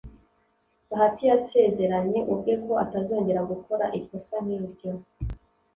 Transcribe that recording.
Bahati yasezeranye ubwe ko atazongera gukora ikosa nk'iryo